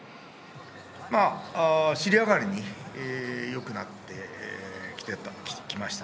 尻上がりに良くなってきていました。